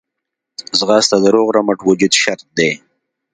ځغاسته د روغ رمټ وجود شرط دی